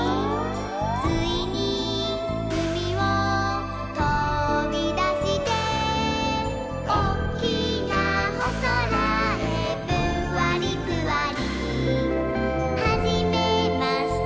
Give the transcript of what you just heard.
「ついにうみをとびだして」「おっきなおそらへぷんわりぷわり」「はじめまして